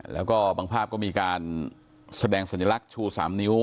แล้วก็บางภาพก็มีการแสดงสัญลักษณ์ชู๓นิ้ว